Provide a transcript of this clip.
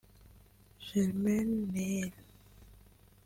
Jermaine O’Neil